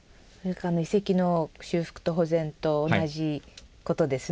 遺跡の修復と保全と同じことですね。